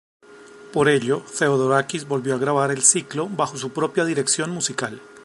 Por ello Theodorakis volvió a grabar el ciclo bajo su propia dirección musical.